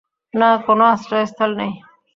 না, কোন আশ্রয়স্থল নেই।